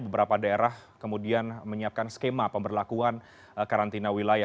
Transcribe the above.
beberapa daerah kemudian menyiapkan skema pemberlakuan karantina wilayah